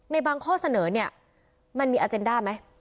ในบางข้อเสนอเนี่ยมันมีอาเจนด้าไหม